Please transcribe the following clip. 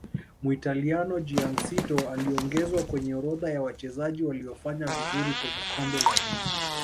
muitaliano giacinto aliongezwa kwenye orodha ya wachezaji waliofanya vizuri kwenye Kombe la dunia